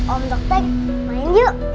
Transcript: om dokter main yuk